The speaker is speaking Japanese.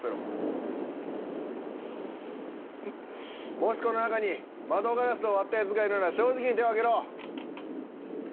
もしこの中に窓ガラスを割ったヤツがいるなら正直に手を挙げろ。